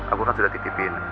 aku kan sudah titipin